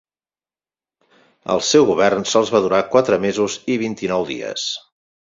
El seu govern sols va durar quatre mesos i vint-i-nou dies.